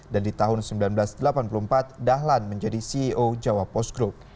dan di tahun seribu sembilan ratus delapan puluh empat dahlan menjadi ceo jawa post group